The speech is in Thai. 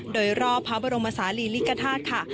โดยรอบพระบรมศาลีลิกฐาตุค่ะ